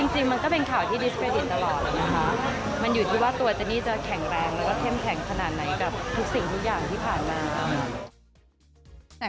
จริงมันก็เป็นข่าวที่ดิสเคยเห็นตลอดนะคะมันอยู่ที่ว่าตัวเจนี่จะแข็งแรงแล้วก็เข้มแข็งขนาดไหนกับทุกสิ่งทุกอย่างที่ผ่านมา